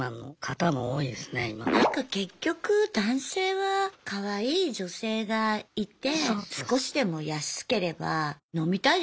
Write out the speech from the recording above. なんか結局男性はかわいい女性がいて少しでも安ければ飲みたいですもんね。